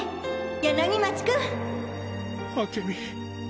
柳町君明美。